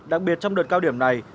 đặc biệt trong đợt cao điểm này